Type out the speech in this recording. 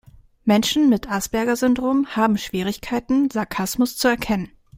Menschen mit Asperger-Syndrom haben Schwierigkeiten, Sarkasmus zu erkennen.